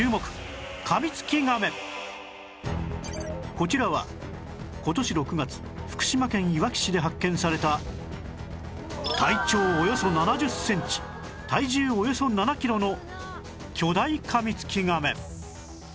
こちらは今年６月福島県いわき市で発見された体長およそ７０センチ体重およそ７キロの巨大カミツキガメ